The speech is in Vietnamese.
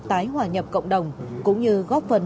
tái hòa nhập cộng đồng cũng như góp phần